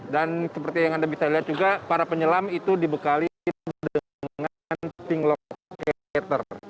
dan seperti yang anda bisa lihat juga para penyelam itu dibekali dengan ping locator